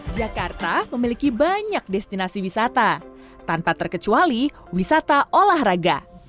jakarta memiliki banyak destinasi wisata tanpa terkecuali wisata olahraga